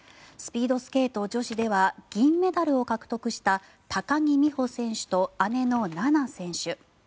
スピードスケート女子では銀メダルを獲得した高木美帆選手と姉の菜那選手